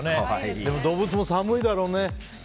でも動物も寒いだろうね。